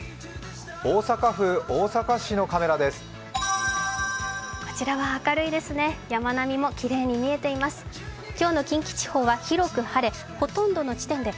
大阪府大阪市のカメラです。